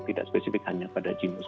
tidak spesifik hanya pada jenis